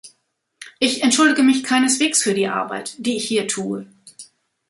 Ich entschuldige mich keineswegs für die Arbeit, die ich hier tue.